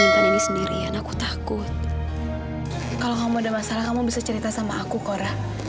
jangan lupa cerita sama aku korah